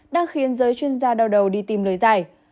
đang khiến giới chuyên gia đau đầu đi tìm lời giải